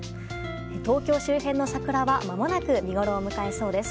東京周辺の桜はまもなく見ごろを迎えそうです。